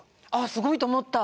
すごいと思った。